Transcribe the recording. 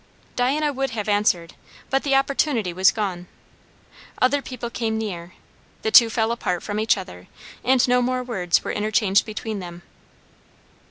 Diana would have answered, but the opportunity was gone. Other people came near; the two fell apart from each other, and no more words were interchanged between them.